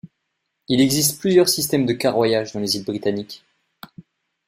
Il existe plusieurs systèmes de carroyage dans les Îles Britanniques.